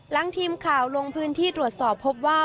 หลังทีมข่าวลงพื้นที่ตรวจสอบพบว่า